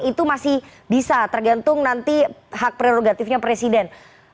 itu masih bisa tergantung nanti hak prerogatifnya presiden